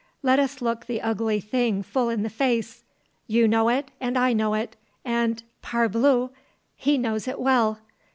Let us look the ugly thing full in the face. You know it, and I know it, and parbleu! he knows it well.